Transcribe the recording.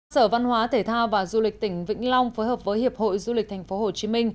sở văn hóa thể thao và du lịch tỉnh vĩnh long phối hợp với hiệp hội du lịch tp hcm